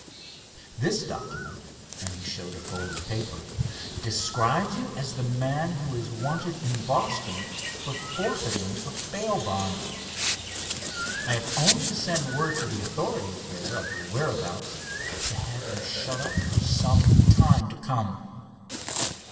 This document," and he showed a folded paper, "describes you as the man who is wanted in Boston for forfeiting a bail bond. I have only to send word to the authorities there of your whereabouts to have you shut up for some time to come.